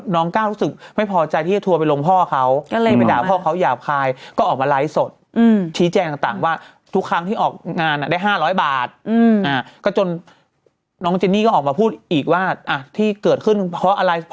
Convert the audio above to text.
ดูหัวแป้งแล้วก็ต่อไม่ผิดหวังนะครับ